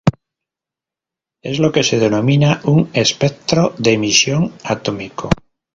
Es lo que se denomina un espectro de emisión atómico.